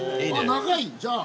長いじゃあ。